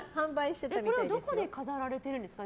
これはどこに飾られてるんですか？